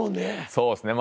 そうですね。